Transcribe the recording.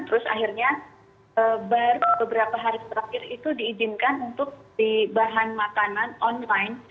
terus akhirnya baru beberapa hari terakhir itu diizinkan untuk di bahan makanan online